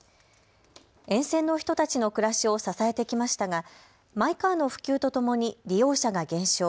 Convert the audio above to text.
沿線の人たちの暮らしを支えてきましたがマイカーの普及とともに利用者が減少。